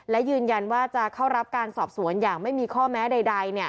และยืนยันว่าจะเข้ารับการสอบสวนอย่างไม่มีข้อแม้ใด